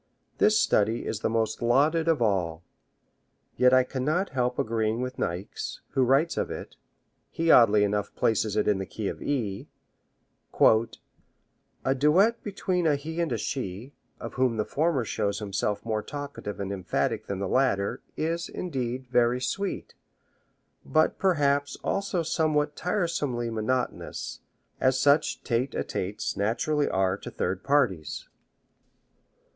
This study is the most lauded of all. Yet I cannot help agreeing with Niecks, who writes of it he oddly enough places it in the key of E: "A duet between a He and a She, of whom the former shows himself more talkative and emphatic than the latter, is, indeed, very sweet, but, perhaps, also somewhat tiresomely monotonous, as such tete a tetes naturally are to third parties."